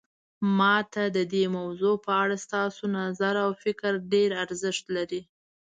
ما ته د دې موضوع په اړه ستاسو نظر او فکر ډیر ارزښت لري